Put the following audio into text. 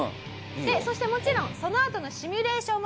そしてもちろんそのあとのシミュレーションも欠かしません。